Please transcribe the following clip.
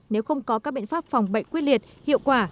nếu không có các biện pháp phòng bệnh quyết liệt hiệu quả